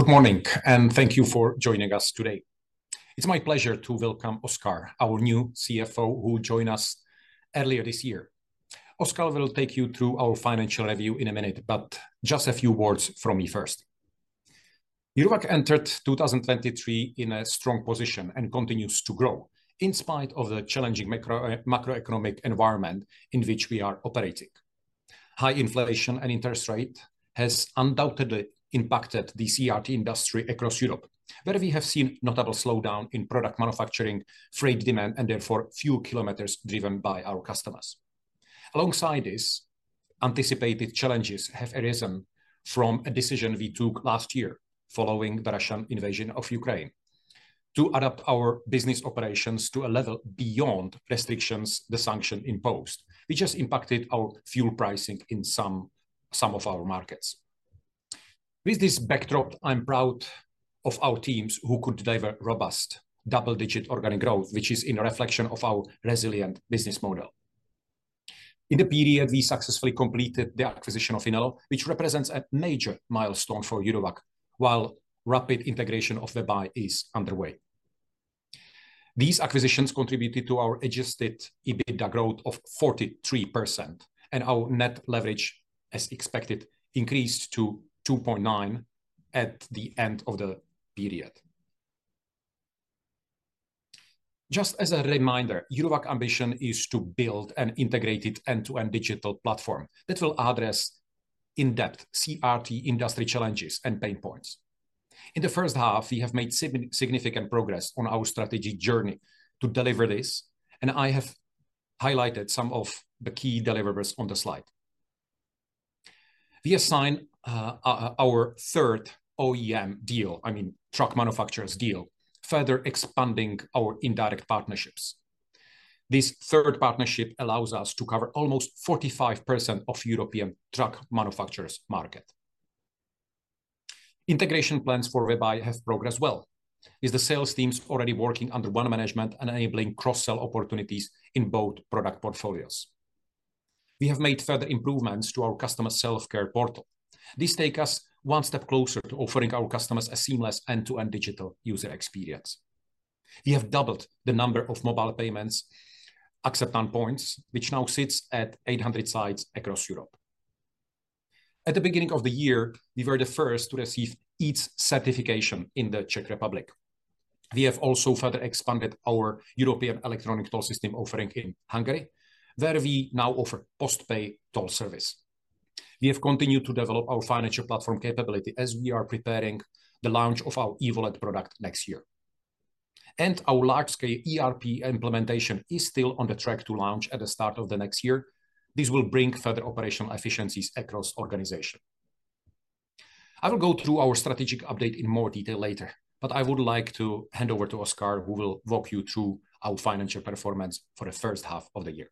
Good morning, and thank you for joining us today. It's my pleasure to welcome Oskar, our new CFO, who joined us earlier this year. Oskar will take you through our financial review in a minute, but just a few words from me first. Eurowag entered 2023 in a strong position and continues to grow in spite of the challenging macroeconomic environment in which we are operating. High inflation and interest rate has undoubtedly impacted the CRT industry across Europe, where we have seen notable slowdown in product manufacturing, freight demand, and therefore, few kilometers driven by our customers. Alongside this, anticipated challenges have arisen from a decision we took last year following the Russian invasion of Ukraine, to adapt our business operations to a level beyond restrictions the sanction imposed, which has impacted our fuel pricing in some, some of our markets. With this backdrop, I'm proud of our teams who could deliver robust double-digit organic growth, which is in a reflection of our resilient business model. In the period, we successfully completed the acquisition of Inelo, which represents a major milestone for Eurowag, while rapid integration of WebEye is underway. These acquisitions contributed to our Adjusted EBITDA growth of 43%, and our net leverage, as expected, increased to 2.9 at the end of the period. Just as a reminder, Eurowag ambition is to build an integrated end-to-end digital platform that will address in-depth CRT industry challenges and pain points. In the first half, we have made significant progress on our strategic journey to deliver this, and I have highlighted some of the key deliverables on the slide. We signed our third OEM deal, I mean, truck manufacturers deal, further expanding our indirect partnerships. This third partnership allows us to cover almost 45% of European truck manufacturers market. Integration plans for WebEye have progressed well, as the sales teams are already working under one management and enabling cross-sell opportunities in both product portfolios. We have made further improvements to our customer self-care portal. This takes us one step closer to offering our customers a seamless end-to-end digital user experience. We have doubled the number of mobile payments acceptance points, which now sits at 800 sites across Europe. At the beginning of the year, we were the first to receive EETS certification in the Czech Republic. We have also further expanded our EETS offering in Hungary, where we now offer post-pay toll service. We have continued to develop our financial platform capability as we are preparing the launch of our eWallet product next year. Our large-scale ERP implementation is still on the track to launch at the start of the next year. This will bring further operational efficiencies across organization. I will go through our strategic update in more detail later, but I would like to hand over to Oskar, who will walk you through our financial performance for the first half of the year.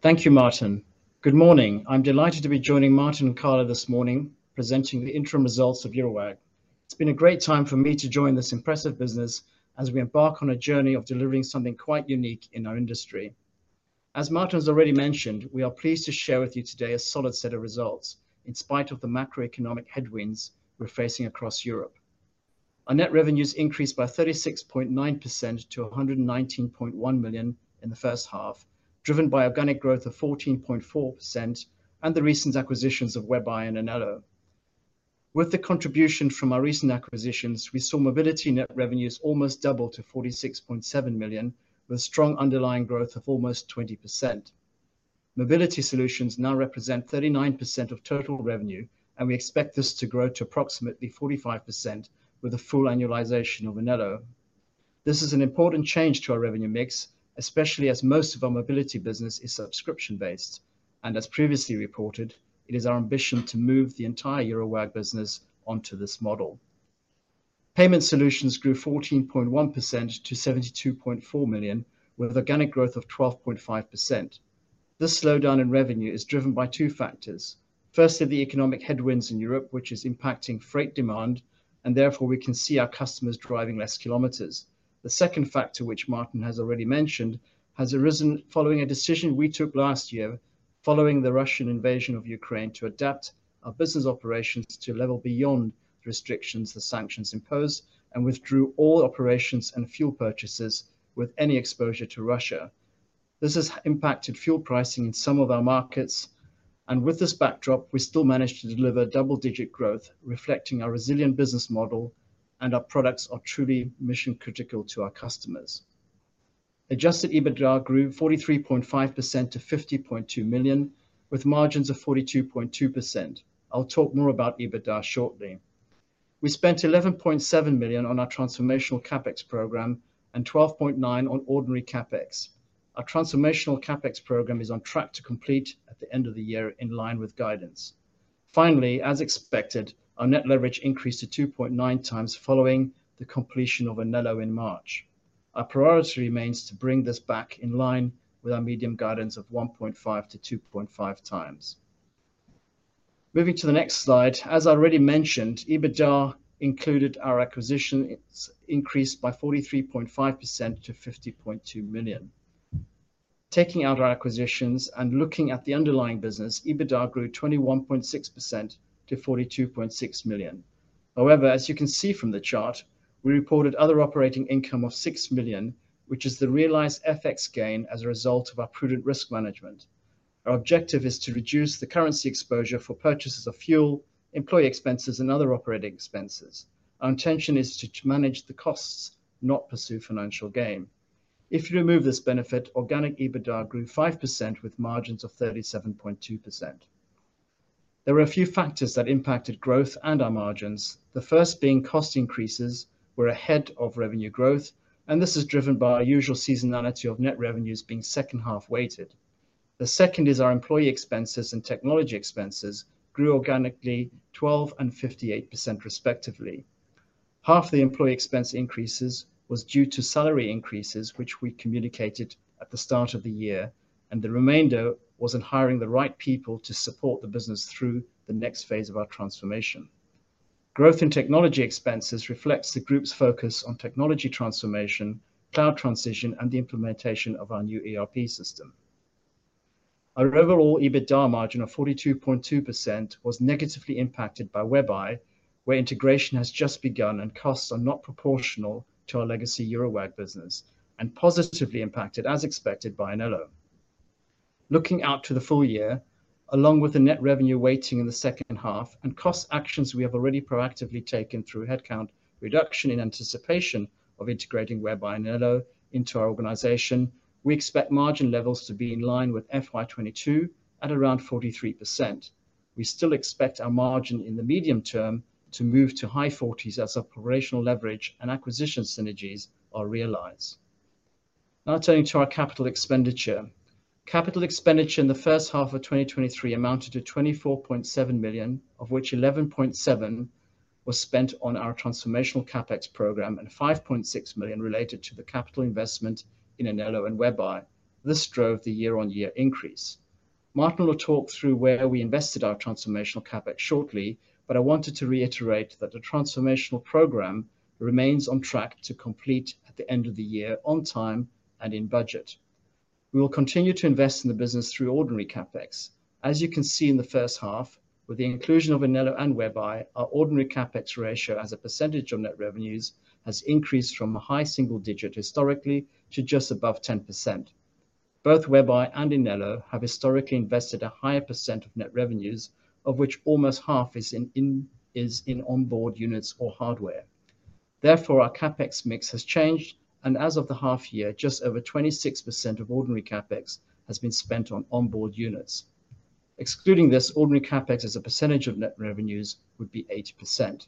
Thank you, Martin. Good morning. I'm delighted to be joining Martin and Carla this morning, presenting the interim results of Eurowag. It's been a great time for me to join this impressive business as we embark on a journey of delivering something quite unique in our industry. As Martin has already mentioned, we are pleased to share with you today a solid set of results in spite of the macroeconomic headwinds we're facing across Europe. Our net revenues increased by 36.9% to 119.1 million in the first half, driven by organic growth of 14.4% and the recent acquisitions of WebEye and Inelo. With the contribution from our recent acquisitions, we saw mobility net revenues almost double to 46.7 million, with strong underlying growth of almost 20%. Mobility solutions now represent 39% of total revenue, and we expect this to grow to approximately 45% with the full annualization of Inelo. This is an important change to our revenue mix, especially as most of our mobility business is subscription-based, and as previously reported, it is our ambition to move the entire Eurowag business onto this model. Payment solutions grew 14.1% to 72.4 million, with organic growth of 12.5%. This slowdown in revenue is driven by two factors. Firstly, the economic headwinds in Europe, which is impacting freight demand, and therefore, we can see our customers driving less kilometers. The second factor, which Martin has already mentioned, has arisen following a decision we took last year, following the Russian invasion of Ukraine, to adapt our business operations to a level beyond the restrictions the sanctions imposed and withdrew all operations and fuel purchases with any exposure to Russia. This has impacted fuel pricing in some of our markets, and with this backdrop, we still managed to deliver double-digit growth, reflecting our resilient business model and our products are truly mission-critical to our customers. Adjusted EBITDA grew 43.5% to 50.2 million, with margins of 42.2%. I'll talk more about EBITDA shortly. We spent 11.7 million on our transformational CapEx program and 12.9 million on ordinary CapEx. Our transformational CapEx program is on track to complete at the end of the year, in line with guidance. Finally, as expected, our net leverage increased to 2.9x following the completion of Inelo in March. Our priority remains to bring this back in line with our medium guidance of 1.5-2.5x. Moving to the next slide, as I already mentioned, EBITDA included our acquisition. It's increased by 43.5% to 50.2 million.... taking out our acquisitions and looking at the underlying business, EBITDA grew 21.6% to 42.6 million. However, as you can see from the chart, we reported other operating income of 6 million, which is the realized FX gain as a result of our prudent risk management. Our objective is to reduce the currency exposure for purchases of fuel, employee expenses, and other operating expenses. Our intention is to manage the costs, not pursue financial gain. If you remove this benefit, organic EBITDA grew 5% with margins of 37.2%. There were a few factors that impacted growth and our margins. The first being cost increases were ahead of revenue growth, and this is driven by our usual seasonality of net revenues being second half weighted. The second is our employee expenses and technology expenses grew organically 12% and 58% respectively. Half the employee expense increases was due to salary increases, which we communicated at the start of the year, and the remainder was in hiring the right people to support the business through the next phase of our transformation. Growth in technology expenses reflects the group's focus on technology transformation, cloud transition, and the implementation of our new ERP system. Our overall EBITDA margin of 42.2% was negatively impacted by WebEye, where integration has just begun and costs are not proportional to our legacy Eurowag business, and positively impacted, as expected, by Inelo. Looking out to the full year, along with the net revenue weighting in the second half and cost actions we have already proactively taken through headcount reduction in anticipation of integrating WebEye and Inelo into our organization, we expect margin levels to be in line with FY 2022 at around 43%. We still expect our margin in the medium term to move to high 40s as operational leverage and acquisition synergies are realized. Now turning to our capital expenditure. Capital expenditure in the first half of 2023 amounted to 24.7 million, of which 11.7 million was spent on our transformational CapEx program and 5.6 million related to the capital investment in Inelo and WebEye. This drove the year-on-year increase. Martin will talk through where we invested our transformational CapEx shortly, but I wanted to reiterate that the transformational program remains on track to complete at the end of the year, on time and in budget. We will continue to invest in the business through ordinary CapEx. As you can see in the first half, with the inclusion of Inelo and WebEye, our ordinary CapEx ratio as a percentage of net revenues has increased from a high single digit historically to just above 10%. Both WebEye and Inelo have historically invested a higher percent of net revenues, of which almost half is in onboard units or hardware. Therefore, our CapEx mix has changed, and as of the half year, just over 26% of ordinary CapEx has been spent on onboard units. Excluding this, ordinary CapEx as a percentage of net revenues would be 80%.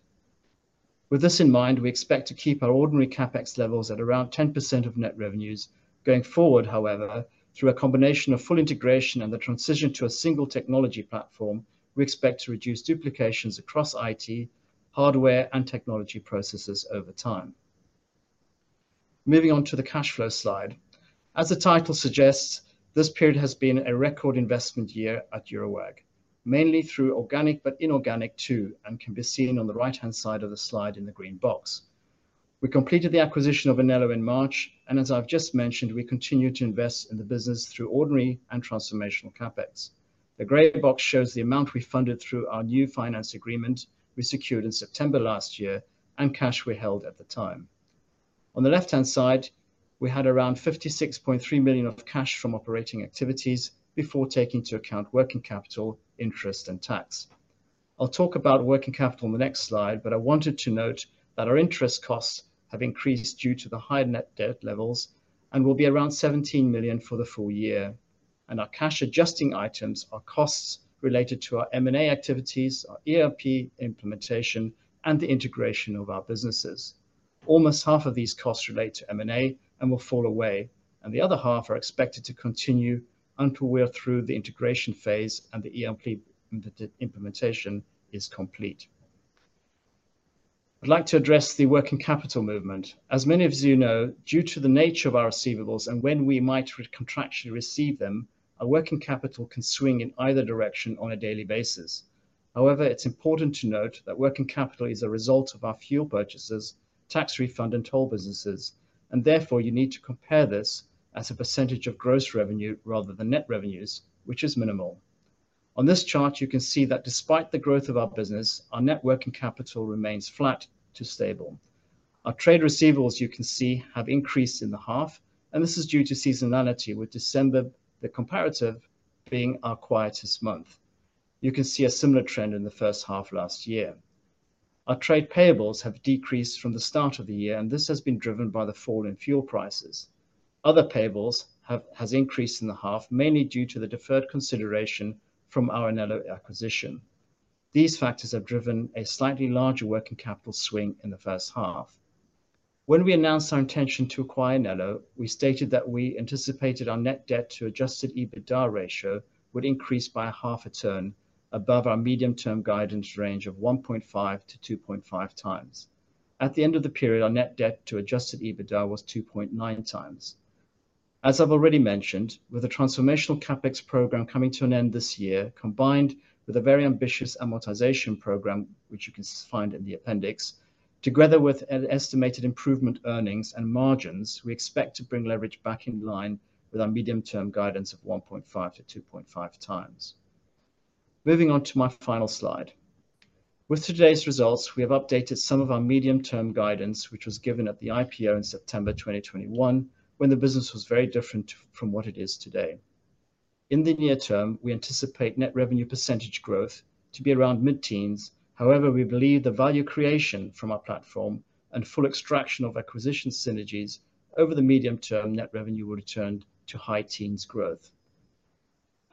With this in mind, we expect to keep our ordinary CapEx levels at around 10% of net revenues. Going forward, however, through a combination of full integration and the transition to a single technology platform, we expect to reduce duplications across IT, hardware, and technology processes over time. Moving on to the cash flow slide. As the title suggests, this period has been a record investment year at Eurowag, mainly through organic, but inorganic too, and can be seen on the right-hand side of the slide in the green box. We completed the acquisition of Inelo in March, and as I've just mentioned, we continue to invest in the business through ordinary and transformational CapEx. The gray box shows the amount we funded through our new finance agreement we secured in September last year and cash we held at the time. On the left-hand side, we had around 56.3 million of cash from operating activities before taking into account working capital, interest, and tax. I'll talk about working capital on the next slide, but I wanted to note that our interest costs have increased due to the high net debt levels and will be around 17 million for the full year. Our cash adjusting items are costs related to our M&A activities, our ERP implementation, and the integration of our businesses. Almost half of these costs relate to M&A and will fall away, and the other half are expected to continue until we are through the integration phase and the ERP implementation is complete. I'd like to address the working capital movement. As many of you know, due to the nature of our receivables and when we might contractually receive them, our working capital can swing in either direction on a daily basis. However, it's important to note that working capital is a result of our fuel purchases, tax refund, and toll businesses, and therefore you need to compare this as a percentage of gross revenue rather than net revenues, which is minimal. On this chart, you can see that despite the growth of our business, our net working capital remains flat to stable. Our trade receivables, you can see, have increased in the half, and this is due to seasonality with December, the comparative being our quietest month. You can see a similar trend in the first half last year. Our trade payables have decreased from the start of the year, and this has been driven by the fall in fuel prices. Other payables has increased in the half, mainly due to the deferred consideration from our Inelo acquisition. These factors have driven a slightly larger working capital swing in the first half. When we announced our intention to acquire Inelo, we stated that we anticipated our net debt to Adjusted EBITDA ratio would increase by half a turn above our medium-term guidance range of 1.5-2.5x. At the end of the period, our net debt to Adjusted EBITDA was 2.9x. As I've already mentioned, with the transformational CapEx program coming to an end this year, combined with a very ambitious amortization program, which you can find in the appendix, together with an estimated improvement earnings and margins, we expect to bring leverage back in line with our medium-term guidance of 1.5-2.5x. Moving on to my final slide. With today's results, we have updated some of our medium-term guidance, which was given at the IPO in September 2021, when the business was very different from what it is today. In the near term, we anticipate net revenue percentage growth to be around mid-teens. However, we believe the value creation from our platform and full extraction of acquisition synergies over the medium term, net revenue will return to high teens growth.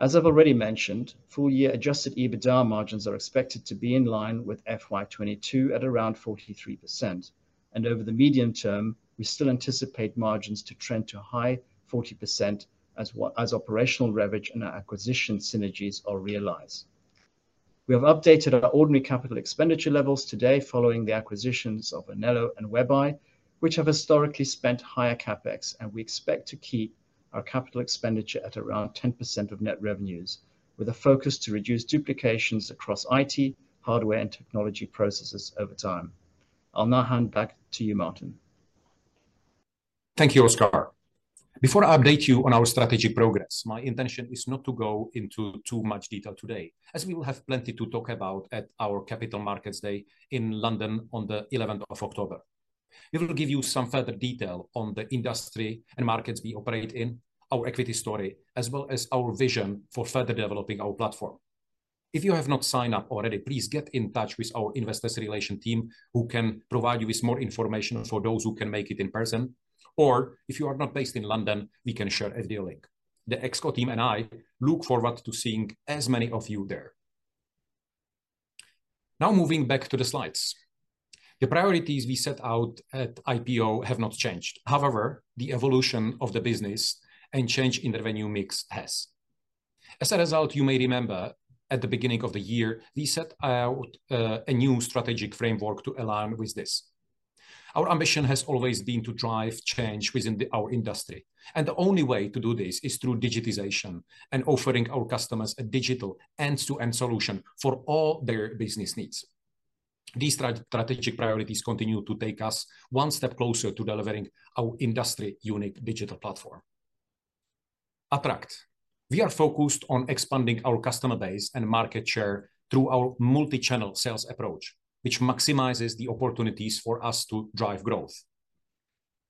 As I've already mentioned, full year Adjusted EBITDA margins are expected to be in line with FY 2022, at around 43%. Over the medium term, we still anticipate margins to trend to a high 40% as well as operational leverage and our acquisition synergies are realized. We have updated our ordinary capital expenditure levels today following the acquisitions of Inelo and WebEye, which have historically spent higher CapEx, and we expect to keep our capital expenditure at around 10% of net revenues, with a focus to reduce duplications across IT, hardware, and technology processes over time. I'll now hand back to you, Martin. Thank you, Oskar. Before I update you on our strategic progress, my intention is not to go into too much detail today, as we will have plenty to talk about at our Capital Markets Day in London on the eleventh of October. We will give you some further detail on the industry and markets we operate in, our equity story, as well as our vision for further developing our platform. If you have not signed up already, please get in touch with our Investor Relations team, who can provide you with more information for those who can make it in person. Or if you are not based in London, we can share a video link. The Exco team and I look forward to seeing as many of you there. Now, moving back to the slides. The priorities we set out at IPO have not changed. However, the evolution of the business and change in the revenue mix has. As a result, you may remember, at the beginning of the year, we set out a new strategic framework to align with this. Our ambition has always been to drive change within our industry, and the only way to do this is through digitization and offering our customers a digital end-to-end solution for all their business needs. These strategic priorities continue to take us one step closer to delivering our industry-unique digital platform. Attract. We are focused on expanding our customer base and market share through our multi-channel sales approach, which maximizes the opportunities for us to drive growth.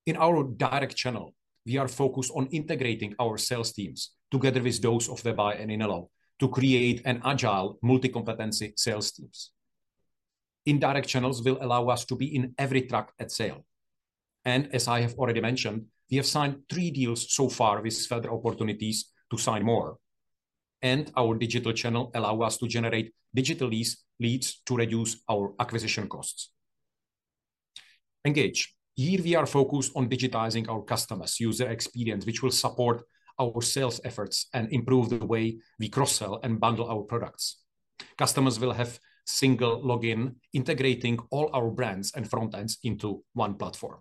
In our direct channel, we are focused on integrating our sales teams together with those of WebEye and Inelo to create an agile, multi-competency sales teams. Indirect channels will allow us to be in every truck at sale. As I have already mentioned, we have signed three deals so far, with further opportunities to sign more. Our digital channel allow us to generate digital lease leads to reduce our acquisition costs. Engage. Here we are focused on digitizing our customers' user experience, which will support our sales efforts and improve the way we cross-sell and bundle our products. Customers will have single login, integrating all our brands and front ends into one platform.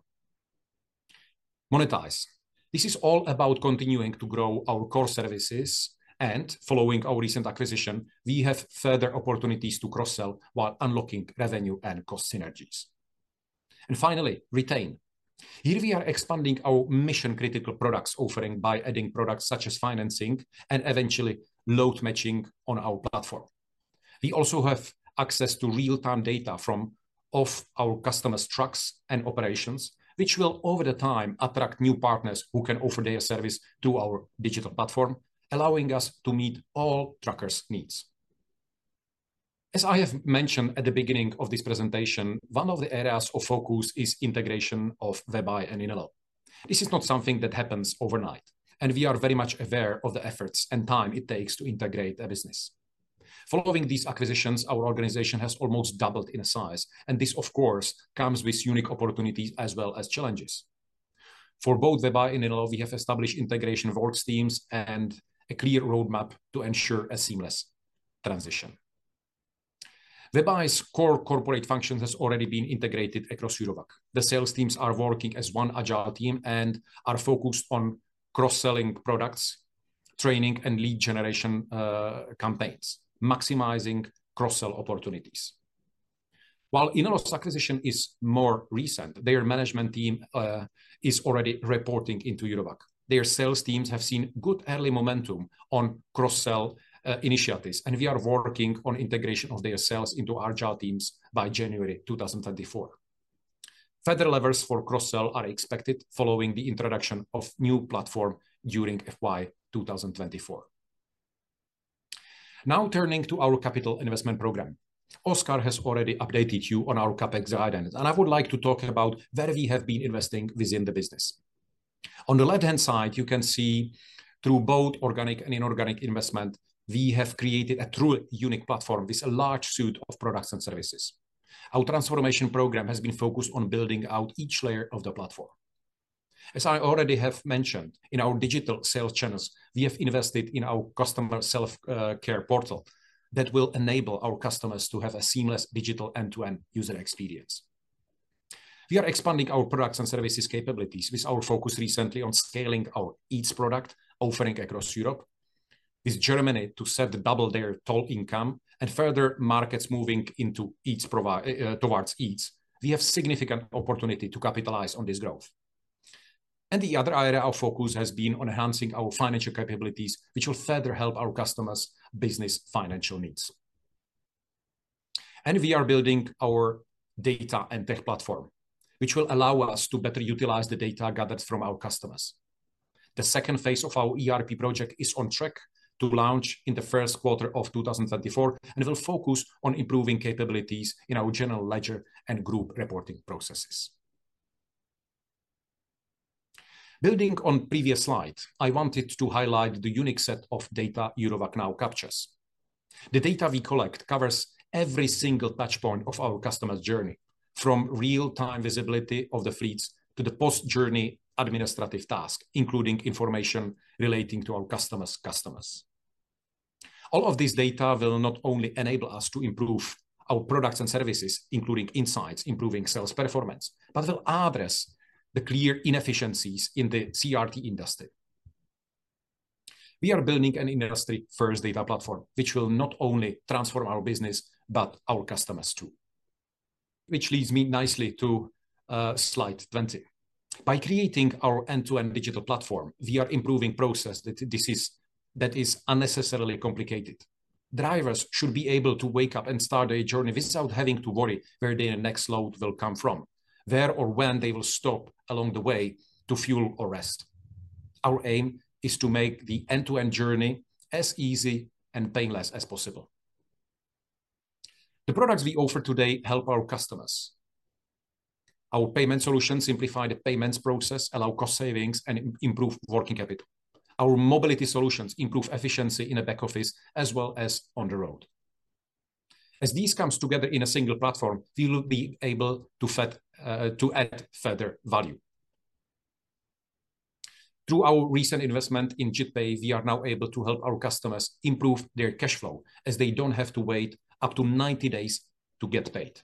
Monetize. This is all about continuing to grow our core services, and following our recent acquisition, we have further opportunities to cross-sell while unlocking revenue and cost synergies. Finally, retain. Here we are expanding our mission-critical products offering by adding products such as financing and eventually load matching on our platform. We also have access to real-time data from... of our customers' trucks and operations, which will, over the time, attract new partners who can offer their service to our digital platform, allowing us to meet all truckers' needs. As I have mentioned at the beginning of this presentation, one of the areas of focus is integration of WebEye and Inelo. This is not something that happens overnight, and we are very much aware of the efforts and time it takes to integrate a business. Following these acquisitions, our organization has almost doubled in size, and this, of course, comes with unique opportunities as well as challenges. For both WebEye and Inelo, we have established integration of org teams and a clear roadmap to ensure a seamless transition. WebEye's core corporate functions has already been integrated across Eurowag. The sales teams are working as one agile team and are focused on cross-selling products, training, and lead generation, campaigns, maximizing cross-sell opportunities. While Inelo's acquisition is more recent, their management team is already reporting into Eurowag. Their sales teams have seen good early momentum on cross-sell initiatives, and we are working on integration of their sales into agile teams by January 2024. Further levers for cross-sell are expected following the introduction of new platform during FY 2024. Now, turning to our capital investment program. Oskar has already updated you on our CapEx guidance, and I would like to talk about where we have been investing within the business. On the left-hand side, you can see through both organic and inorganic investment, we have created a truly unique platform with a large suite of products and services. Our transformation program has been focused on building out each layer of the platform. As I already have mentioned, in our digital sales channels, we have invested in our customer self-care portal that will enable our customers to have a seamless digital end-to-end user experience. We are expanding our products and services capabilities, with our focus recently on scaling our EETS offering across Europe. With Germany set to double their toll income and further markets moving towards EETS, we have significant opportunity to capitalize on this growth... and the other area of focus has been on enhancing our financial capabilities, which will further help our customers' business financial needs. We are building our data and tech platform, which will allow us to better utilize the data gathered from our customers. The second phase of our ERP project is on track to launch in the first quarter of 2024, and it will focus on improving capabilities in our general ledger and group reporting processes. Building on previous slide, I wanted to highlight the unique set of data Eurowag now captures. The data we collect covers every single touch point of our customer's journey, from real-time visibility of the fleets to the post-journey administrative task, including information relating to our customers' customers. All of this data will not only enable us to improve our products and services, including insights, improving sales performance, but will address the clear inefficiencies in the CRT industry. We are building an industry-first data platform, which will not only transform our business, but our customers, too. Which leads me nicely to, slide 20. By creating our end-to-end digital platform, we are improving process that is unnecessarily complicated. Drivers should be able to wake up and start a journey without having to worry where their next load will come from, where or when they will stop along the way to fuel or rest. Our aim is to make the end-to-end journey as easy and painless as possible. The products we offer today help our customers. Our payment solutions simplify the payments process, allow cost savings, and improve working capital. Our mobility solutions improve efficiency in a back office, as well as on the road. As these comes together in a single platform, we will be able to add further value. Through our recent investment in JITpay, we are now able to help our customers improve their cash flow, as they don't have to wait up to 90 days to get paid.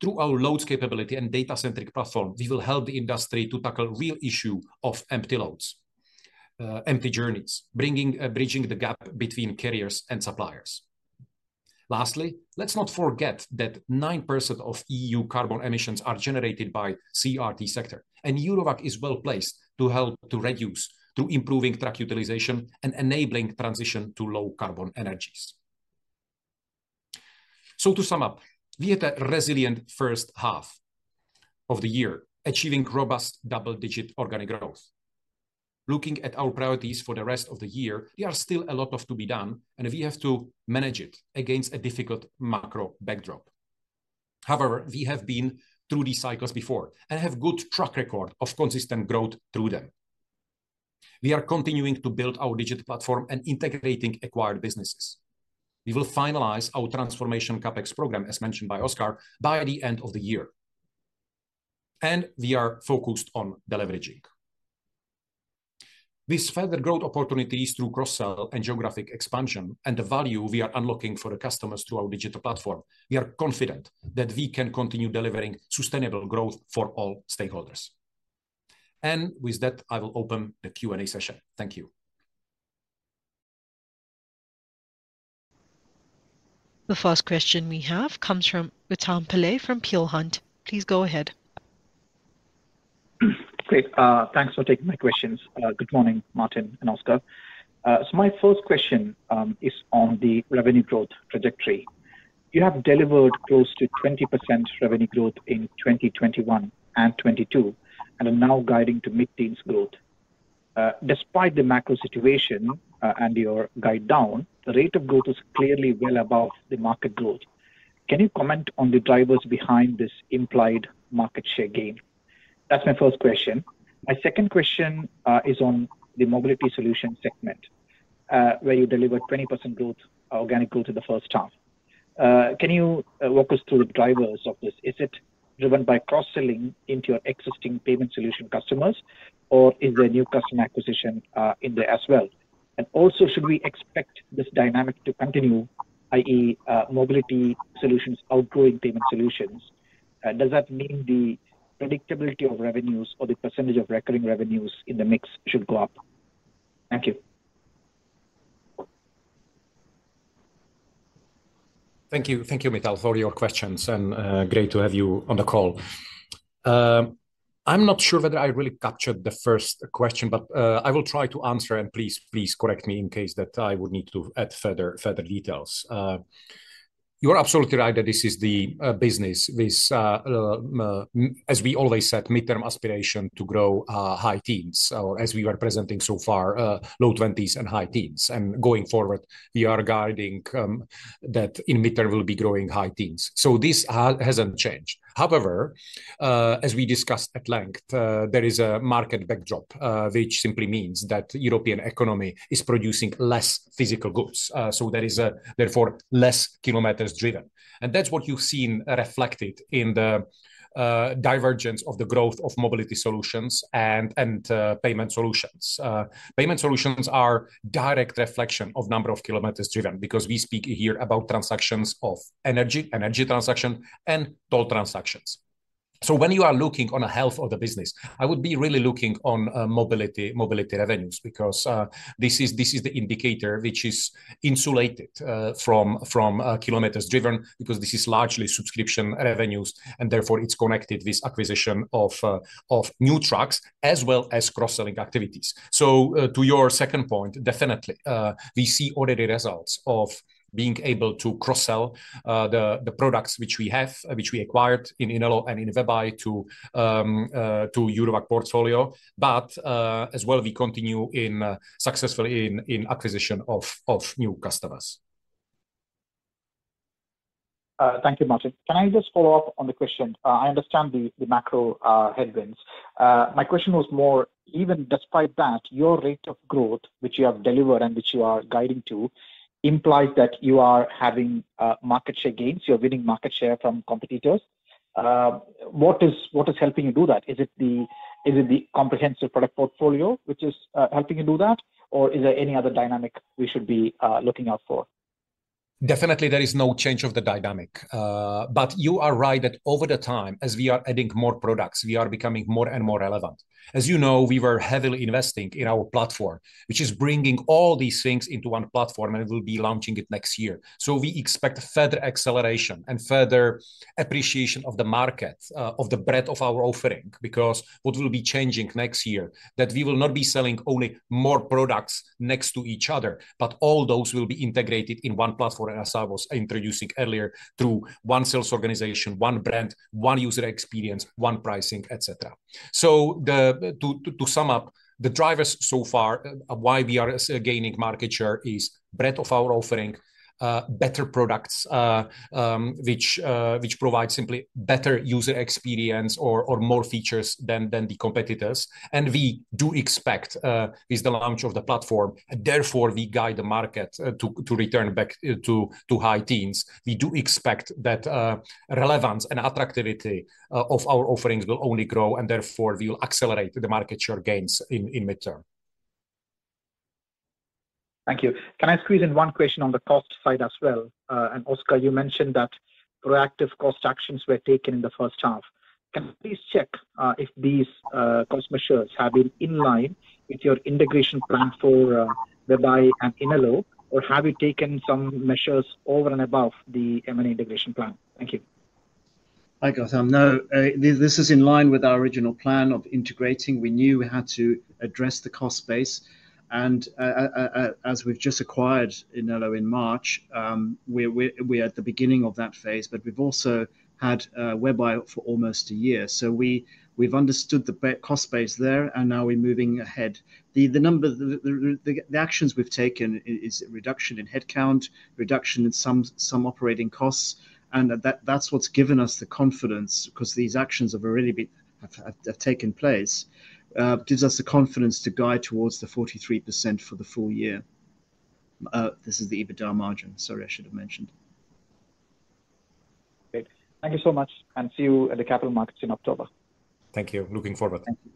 Through our loads capability and data-centric platform, we will help the industry to tackle real issue of empty loads, empty journeys, bringing, bridging the gap between carriers and suppliers. Lastly, let's not forget that 9% of EU carbon emissions are generated by CRT sector, and Eurowag is well placed to help to reduce through improving truck utilization and enabling transition to low carbon energies. So to sum up, we had a resilient first half of the year, achieving robust double-digit organic growth. Looking at our priorities for the rest of the year, there are still a lot of to be done, and we have to manage it against a difficult macro backdrop. However, we have been through these cycles before and have good track record of consistent growth through them. We are continuing to build our digital platform and integrating acquired businesses. We will finalize our transformation CapEx program, as mentioned by Oskar, by the end of the year, and we are focused on deleveraging. With further growth opportunities through cross-sell and geographic expansion, and the value we are unlocking for the customers through our digital platform, we are confident that we can continue delivering sustainable growth for all stakeholders. And with that, I will open the Q&A session. Thank you. The first question we have comes from Gautam Pillai from Peel Hunt. Please go ahead. Great. Thanks for taking my questions. Good morning, Martin and Oskar. So my first question is on the revenue growth trajectory. You have delivered close to 20% revenue growth in 2021 and 2022, and are now guiding to mid-teens growth. Despite the macro situation, and your guide down, the rate of growth is clearly well above the market growth. Can you comment on the drivers behind this implied market share gain? That's my first question. My second question is on the mobility solution segment, where you delivered 20% growth, organic growth in the first half. Can you walk us through the drivers of this? Is it driven by cross-selling into your existing payment solution customers, or is there new customer acquisition in there as well? Also, should we expect this dynamic to continue, i.e., mobility solutions outgrowing payment solutions? Does that mean the predictability of revenues or the percentage of recurring revenues in the mix should go up? Thank you. Thank you. Thank you, Gautam, for your questions, and great to have you on the call. I'm not sure whether I really captured the first question, but I will try to answer, and please, please correct me in case that I would need to add further, further details. You are absolutely right that this is the business with as we always said, midterm aspiration to grow high teens. So as we were presenting so far, low twenties and high teens, and going forward, we are guiding that in midterm we'll be growing high teens. So this hasn't changed. However, as we discussed at length, there is a market backdrop, which simply means that European economy is producing less physical goods. So there is therefore less kilometers driven, and that's what you've seen reflected in the divergence of the growth of mobility solutions and payment solutions. Payment solutions are direct reflection of number of kilometers driven, because we speak here about transactions of energy, energy transaction, and toll transactions. So when you are looking on the health of the business, I would be really looking on mobility revenues, because this is the indicator which is insulated from kilometers driven, because this is largely subscription revenues, and therefore it's connected with acquisition of new trucks, as well as cross-selling activities. So, to your second point, definitely, we see already the results of being able to cross-sell the products which we have, which we acquired in Inelo and in WebEye to Eurowag portfolio. But as well, we continue successfully in acquisition of new customers. Thank you, Martin. Can I just follow up on the question? I understand the macro headwinds. My question was more, even despite that, your rate of growth, which you have delivered and which you are guiding to, implies that you are having market share gains, you're winning market share from competitors. What is helping you do that? Is it the comprehensive product portfolio which is helping you do that? Or is there any other dynamic we should be looking out for? Definitely, there is no change of the dynamic. But you are right that over the time, as we are adding more products, we are becoming more and more relevant. As you know, we were heavily investing in our platform, which is bringing all these things into one platform, and we'll be launching it next year. So we expect further acceleration and further appreciation of the market, of the breadth of our offering. Because what will be changing next year, that we will not be selling only more products next to each other, but all those will be integrated in one platform, as I was introducing earlier, through one sales organization, one brand, one user experience, one pricing, et cetera. To sum up, the drivers so far, why we are gaining market share is breadth of our offering, better products, which provide simply better user experience or more features than the competitors. And we do expect, with the launch of the platform, therefore, we guide the market to return back to high teens. We do expect that relevance and attractivity of our offerings will only grow, and therefore we will accelerate the market share gains in mid-term. Thank you. Can I squeeze in one question on the cost side as well? Oscar, you mentioned that proactive cost actions were taken in the first half. Can you please check if these cost measures have been in line with your integration plan for WebEye and Inelo, or have you taken some measures over and above the M&A integration plan? Thank you. Hi, Gautam. No, this is in line with our original plan of integrating. We knew we had to address the cost base, and as we've just acquired Inelo in March, we're at the beginning of that phase, but we've also had WebEye for almost a year. So we've understood the cost base there, and now we're moving ahead. The number, the actions we've taken is reduction in headcount, reduction in some operating costs, and that's what's given us the confidence, 'cause these actions have already been... have taken place. Gives us the confidence to guide towards the 43% for the full year. This is the EBITDA margin. Sorry, I should have mentioned. Great. Thank you so much, and see you at the capital markets in October. Thank you. Looking forward. Thank you.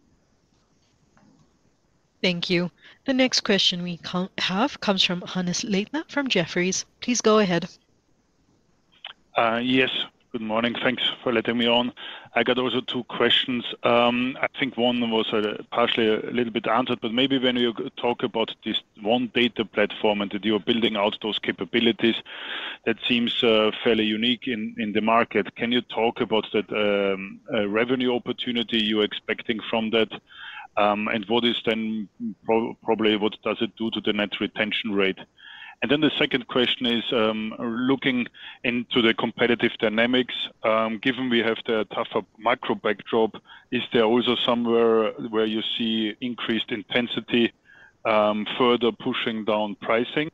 Thank you. The next question we have comes from Hannes Leitner from Jefferies. Please go ahead. Yes. Good morning. Thanks for letting me on. I got also two questions. I think one was partially a little bit answered, but maybe when you talk about this one data platform and that you're building out those capabilities, that seems fairly unique in the market. Can you talk about that, revenue opportunity you're expecting from that? And what is then probably, what does it do to the net retention rate? And then the second question is, looking into the competitive dynamics, given we have the tougher macro backdrop, is there also somewhere where you see increased intensity, further pushing down pricing?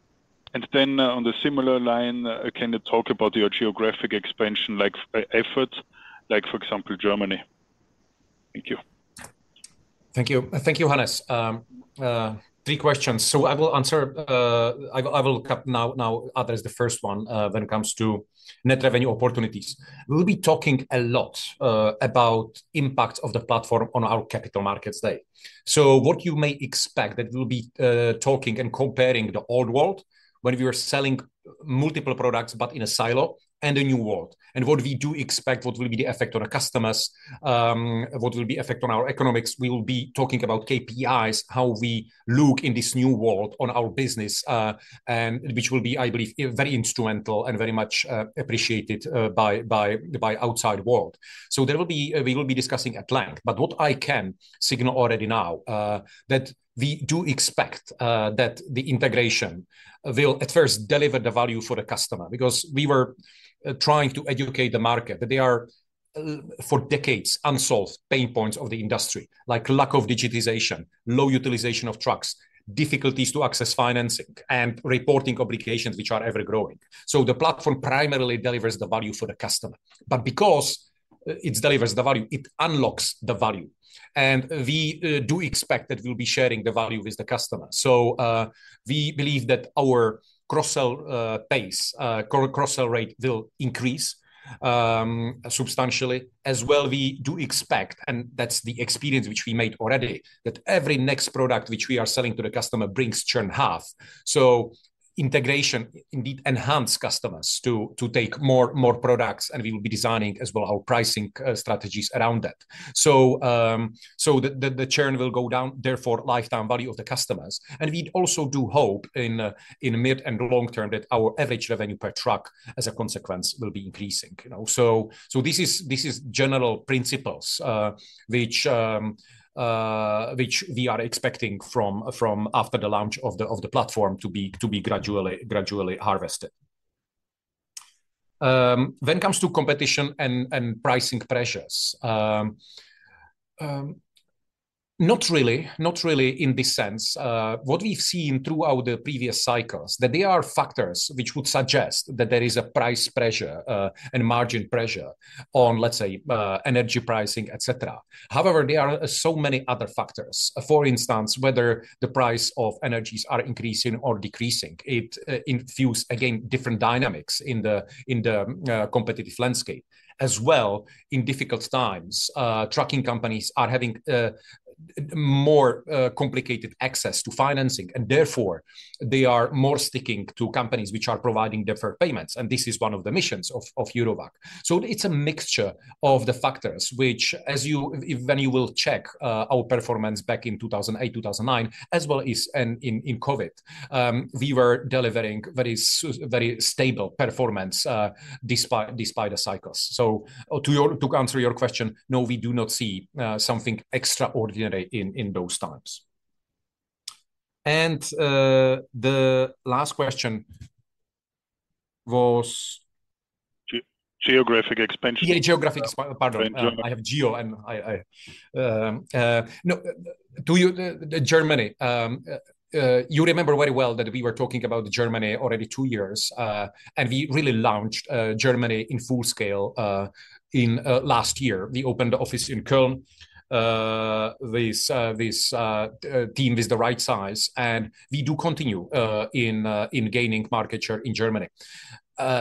And then, on the similar line, can you talk about your geographic expansion, like, effort, like for example, Germany? Thank you. Thank you. Thank you, Hannes. Three questions. So I will answer, I will now address the first one, when it comes to net revenue opportunities. We'll be talking a lot about impact of the platform on our Capital Markets Day. So what you may expect, that we'll be talking and comparing the old world, when we were selling multiple products, but in a silo, and the new world. And what we do expect, what will be the effect on our customers, what will be effect on our economics. We will be talking about KPIs, how we look in this new world on our business, and which will be, I believe, very instrumental and very much appreciated by outside world. So there will be, we will be discussing at length. But what I can signal already now, that we do expect, that the integration will at first deliver the value for the customer. Because we were trying to educate the market, that there are, for decades, unsolved pain points of the industry, like lack of digitization, low utilization of trucks, difficulties to access financing, and reporting obligations, which are ever-growing. So the platform primarily delivers the value for the customer. It delivers the value, it unlocks the value. And we do expect that we'll be sharing the value with the customer. So, we believe that our cross-sell pace, cross-sell rate will increase, substantially. As well, we do expect, and that's the experience which we made already, that every next product which we are selling to the customer brings churn half. So integration indeed enhance customers to take more products, and we will be designing as well our pricing strategies around that. So the churn will go down, therefore, lifetime value of the customers. And we also do hope in the mid and long term that our average revenue per truck, as a consequence, will be increasing, you know? So this is general principles which we are expecting from after the launch of the platform to be gradually harvested. When it comes to competition and pricing pressures, not really in this sense. What we've seen throughout the previous cycles, that there are factors which would suggest that there is a price pressure, and margin pressure on, let's say, energy pricing, et cetera. However, there are so many other factors. For instance, whether the price of energies are increasing or decreasing, it influences, again, different dynamics in the competitive landscape. As well, in difficult times, trucking companies are having more complicated access to financing, and therefore, they are more sticking to companies which are providing deferred payments, and this is one of the missions of Eurowag. So it's a mixture of the factors which, as you... If, when you will check, our performance back in 2008, 2009, as well as in COVID, we were delivering very stable performance, despite the cycles. So, to answer your question, no, we do not see something extraordinary in those times. And, the last question was- Geographic expansion. Yeah, geographically. Pardon, I have geo, and I, I. No, do you, Germany. You remember very well that we were talking about Germany already two years, and we really launched Germany in full scale in last year. We opened the office in Köln. This team is the right size, and we do continue in gaining market share in Germany.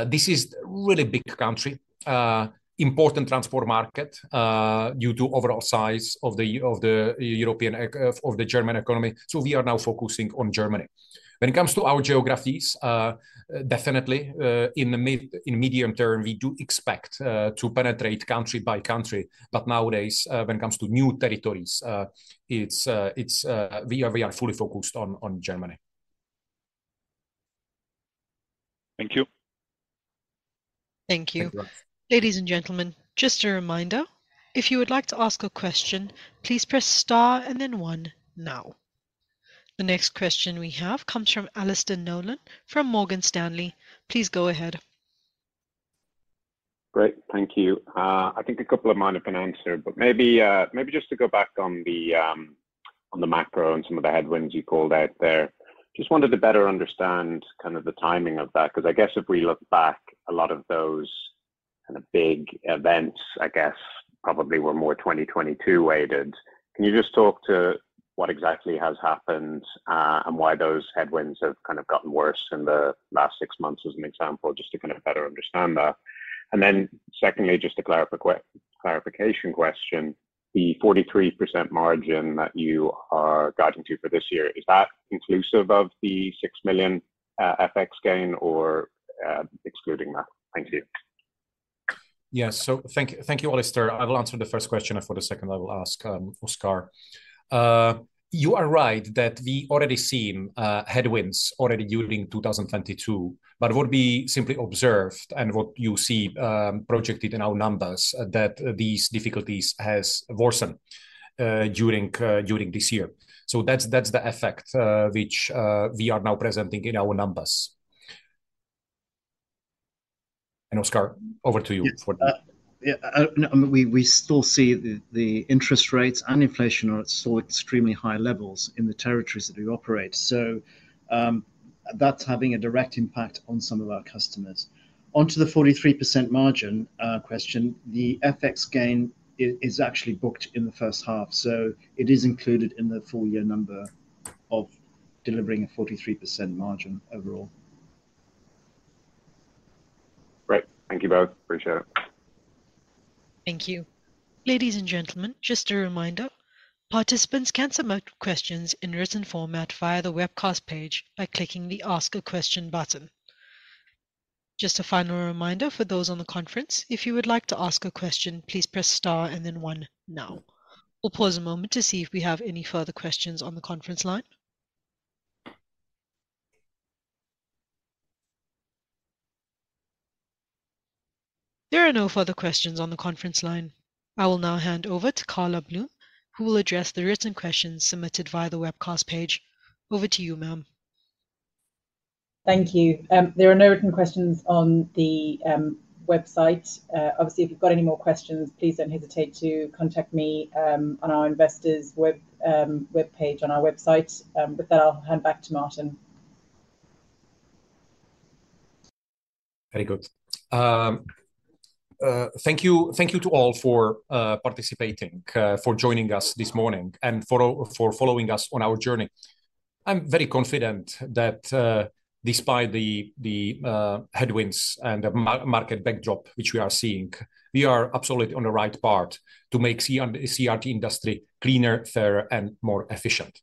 This is really big country, important transport market, due to overall size of the German economy. So we are now focusing on Germany. When it comes to our geographies, definitely, in the medium term, we do expect to penetrate country by country. But nowadays, when it comes to new territories, we are fully focused on Germany. Thank you. Thank you. Thank you. Ladies and gentlemen, just a reminder, if you would like to ask a question, please press star and then one now. The next question we have comes from Alastair Nolan from Morgan Stanley. Please go ahead. Great, thank you. I think a couple of mine have been answered, but maybe, maybe just to go back on the, on the macro and some of the headwinds you called out there. Just wanted to better understand kind of the timing of that, 'cause I guess if we look back, a lot of those kind of big events, I guess, probably were more 2022 weighted. Can you just talk to what exactly has happened, and why those headwinds have kind of gotten worse in the last six months, as an example, just to kind of better understand that? And then secondly, just a clarification question, the 43% margin that you are guiding to for this year, is that inclusive of the 6 million FX gain or, excluding that? Thank you. Yes. So thank you, thank you, Alastair. I will answer the first question, and for the second, I will ask, Oskar. You are right that we already seen headwinds already during 2022, but what we simply observed and what you see, projected in our numbers, that these difficulties has worsened, during, during this year. So that's, that's the effect, which, we are now presenting in our numbers. And Oskar, over to you for that. Yes. I mean, we still see the interest rates and inflation are at still extremely high levels in the territories that we operate. So, that's having a direct impact on some of our customers. Onto the 43% margin question, the FX gain is actually booked in the first half, so it is included in the full year number of delivering a 43% margin overall. Great. Thank you both. Appreciate it. Thank you. Ladies and gentlemen, just a reminder, participants can submit questions in written format via the webcast page by clicking the Ask a Question button. Just a final reminder for those on the conference, if you would like to ask a question, please press star and then one now. We'll pause a moment to see if we have any further questions on the conference line. There are no further questions on the conference line. I will now hand over to Carla Bloom, who will address the written questions submitted via the webcast page. Over to you, ma'am. Thank you. There are no written questions on the website. Obviously, if you've got any more questions, please don't hesitate to contact me on our investors web page on our website. With that, I'll hand back to Martin. Very good. Thank you, thank you to all for participating, for joining us this morning and for, for following us on our journey. I'm very confident that, despite the headwinds and the market backdrop, which we are seeing, we are absolutely on the right path to make the CRT industry cleaner, fairer and more efficient.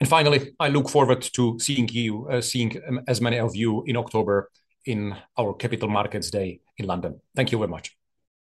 And finally, I look forward to seeing as many of you in October in our Capital Markets Day in London. Thank you very much.